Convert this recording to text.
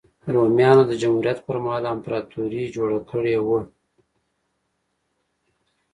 رومیانو د جمهوریت پرمهال امپراتوري جوړه کړې وه.